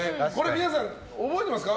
皆さん、覚えてますか？